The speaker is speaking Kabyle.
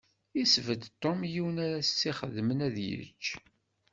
Yesbedd Tom yiwen ara s-d-ixeddmen ad yečč.